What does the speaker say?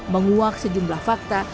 menguak sejumlah fakta